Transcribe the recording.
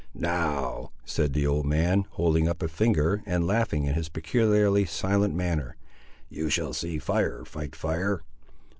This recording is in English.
"Now," said the old man, holding up a finger, and laughing in his peculiarly silent manner, "you shall see fire fight fire!